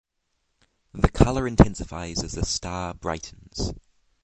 The color intensifies as the star brightens.